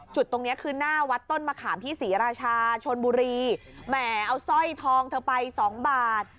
จุดตรงนี้คือหน้าวัดต้นมะขามที่ศรีราชาชนบุรีแหมเอาสร้อยทองเธอไปสองบาท